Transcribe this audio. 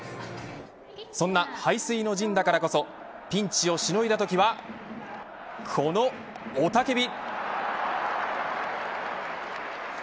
そんな背水の陣だからこそピンチをしのいだときはこの雄たけび。